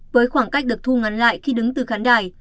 với khoảng cách được thu ngắn lại khi đứng từ khán đài